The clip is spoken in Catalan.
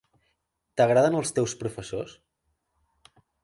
T'agraden els teus professors?